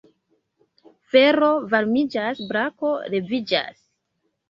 Fero varmiĝas, Brako leviĝas.